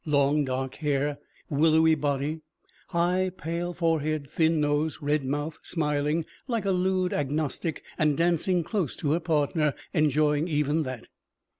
Long, dark hair, willowy body, high, pale forehead, thin nose, red mouth, smiling like a lewd agnostic and dancing close to her partner, enjoying even that.